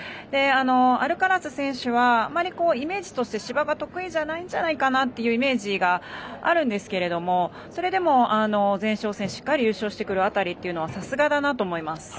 アルカラス選手はあまり芝が得意じゃないというイメージがあるんですがそれでも前哨戦でしっかり優勝してくる辺りはさすがだなと思います。